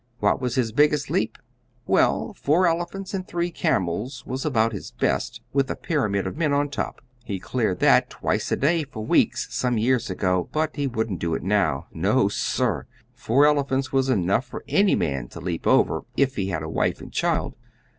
What was his biggest leap? Well, four elephants and three camels was about his best, with a pyramid of men on top. He'd cleared that twice a day for weeks some years ago, but he wouldn't do it now. No, sir; four elephants was enough for any man to leap over if he had a wife and child.